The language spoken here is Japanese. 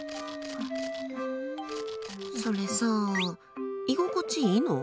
それさ、居心地いいの？